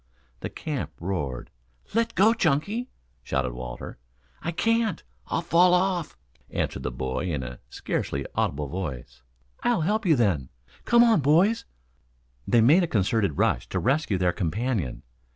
The camp roared. "Let go, Chunky!" shouted Walter. "I can't, I'll fall off," answered the boy in a scarcely audible voice. "I'll help you then. Come on, boys." They made a concerted rush to rescue their companion.